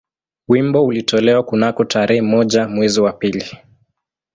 Wimbo ulitolewa kunako tarehe moja mwezi wa pili